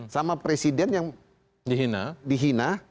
sama presiden yang dihina